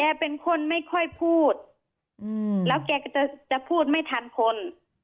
เป็นคนไม่ค่อยพูดแล้วแกก็จะพูดไม่ทันคน